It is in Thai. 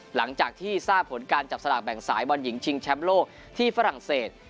หลังจากที่ทราบผลการจับสลากแบ่งสายบอลหญิงชิงแชมป์โลกที่ฝรั่งเศส